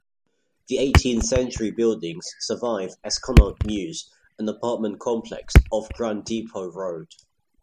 The eighteenth-century buildings survive as Connaught Mews, an apartment complex off Grand Depot Road.